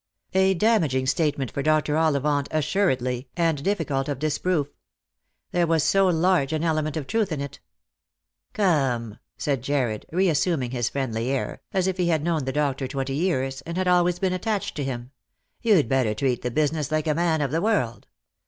A damaging statement for Dr. Ollivant assuredly, and difficult of disproof. There was so large an element of truth in it. " Come," said Jarred, reassuming his friendly air, as if he had known the doctor twenty years, and had always been attached to him, " you'd better treat the business like a man of the world.